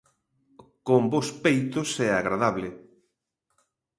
Con bos peitos e agradable.